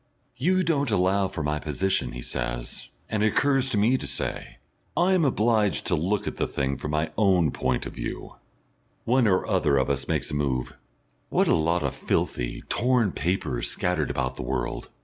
"You don't allow for my position," he says, and it occurs to me to say, "I'm obliged to look at the thing from my own point of view...." One or other of us makes a move. What a lot of filthy, torn paper is scattered about the world!